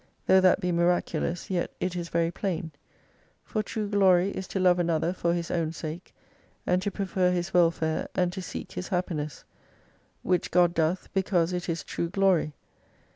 Though that be miraculous, yet it is very plain. For true glory is to love another for his own sake, and to prefer his welfare and to seek his happiness. Which God doth because it is true glory.